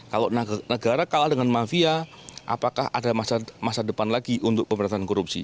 kalau negara kalah dengan mafia apakah ada masa depan lagi untuk pemerintahan korupsi